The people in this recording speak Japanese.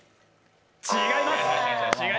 違います。